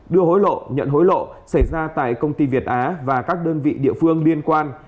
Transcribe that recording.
đưa hối lộ nhận hối lộ xảy ra tại công ty việt á và các đơn vị địa phương liên quan